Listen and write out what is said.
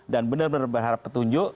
dan benar benar berharap petunjuk